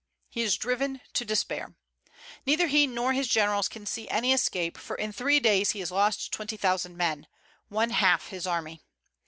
He is driven to despair. Neither he nor his generals can see any escape, for in three days he has lost twenty thousand men, one half his army.